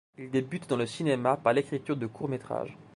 Il débute dans le cinéma par l'écriture de courts métrages.